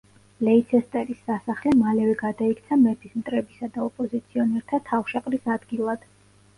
ლეიცესტერის სასახლე მალევე გადაიქცა მეფის მტრებისა და ოპოზიციონერთა თავშეყრის ადგილად.